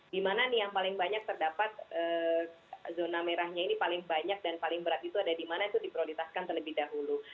di mana nih yang paling banyak terdapat zona merahnya ini paling banyak dan paling berat itu ada di mana itu diprioritaskan terlebih dahulu